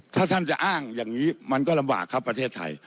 ถ้าท่านจะอ้างอย่างนี้มันก็ลำบากครับประเทศไทย